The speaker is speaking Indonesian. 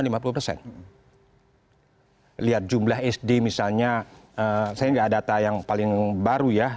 lihat jumlah sd misalnya saya nggak ada data yang paling baru ya